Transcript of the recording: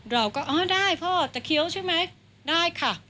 เราก็อ๋อได้พ่อจะเคี้ยวใช่ไหมได้ค่ะ